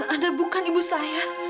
anda bukan ibu saya